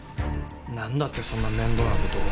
なんだってそんな面倒な事を？